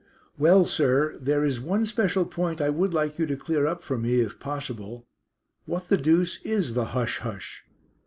"Well, sir, there is one special point I would like you to clear up for me if possible. What the deuce is the 'Hush! Hush!'?"